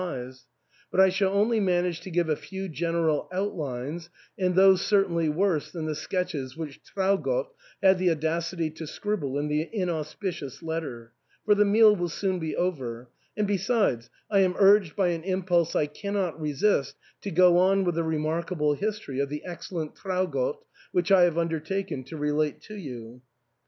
eyes ; but I shall only manage to give a few general outlines, and those certainly worse than the sketches which Traugott had the audacity to scribble in the in auspicious letter ; for the meal will soon be over ; and besides, I am urged by an impulse I cannot resist to go on with the remarkable history of the excellent Trau gott, which I have undertaken to relate to you.